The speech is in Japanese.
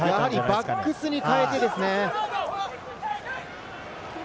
バックスに代えてですね。